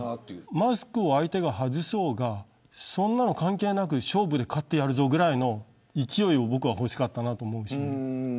マスクを相手が外そうがそんなの関係なく勝負で勝ってやるという勢いが欲しかったです。